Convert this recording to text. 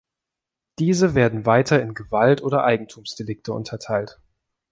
Diese werden weiter in Gewalt- oder Eigentumsdelikte unterteilt.